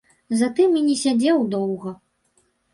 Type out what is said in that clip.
Затым і не сядзеў доўга.